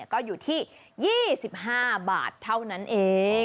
ก็อยู่ที่๒๕บาทเท่านั้นเอง